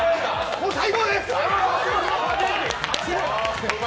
もう最高です！